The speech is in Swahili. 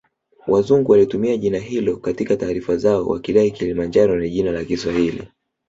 Wazungu walitumia jina hilo katika taarifa zao wakidai Kilimanjaro ni jina la Kiswahili